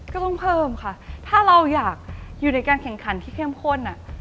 ก็ต้องเพิ่มค่ะถ้าเราอยากอยู่ในการแข่งขันที่เข้มข้น